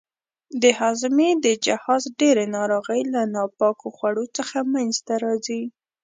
د هاضمې د جهاز ډېرې ناروغۍ له ناپاکو خوړو څخه منځته راځي.